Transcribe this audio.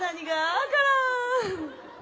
わからん。